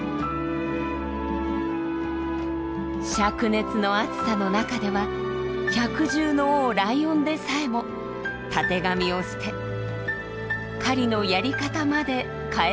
灼熱の暑さの中では百獣の王ライオンでさえもたてがみを捨て狩りのやり方まで変えていました。